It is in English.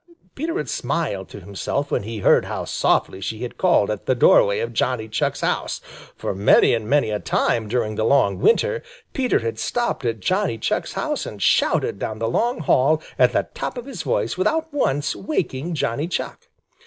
Peter had smiled to himself when he heard how softly she had called at the doorway of Johnny Chuck's house, for many and many a time during the long winter Peter had stopped at Johnny Chuck's house and shouted down the long hall at the top of his voice without once waking Johnny Chuck.